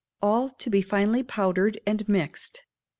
All to be finely powdered and mixed.